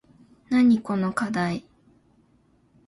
なにこのかだい